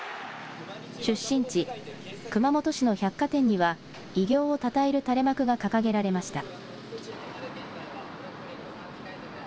出身地、熊本市の百貨店には、偉業をたたえる垂れ幕が掲げられました。